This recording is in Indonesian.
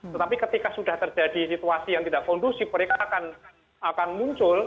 tetapi ketika sudah terjadi situasi yang tidak kondusif mereka akan muncul